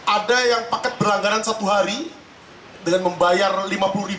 ada yang paket berlangganan satu hari dengan membayar lima puluh ribu rupiah